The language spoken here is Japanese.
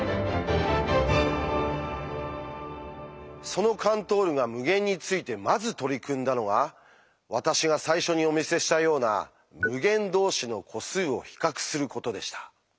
そのカントールが無限についてまず取り組んだのが私が最初にお見せしたような「無限同士の個数を比較する」ことでした。